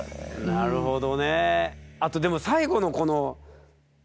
なるほど。